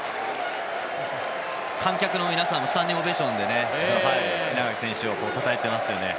観客の皆さんもスタンディングオベーションで稲垣選手をたたえていますよね。